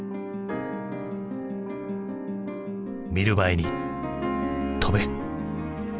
見る前に飛べ。